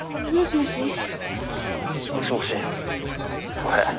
「もしもし？俺」